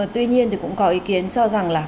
tuy nhiên thì cũng có ý kiến cho rằng là